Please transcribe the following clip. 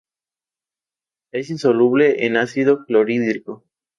Es insoluble en ácido clorhídrico.